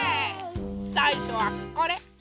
さいしょはこれ。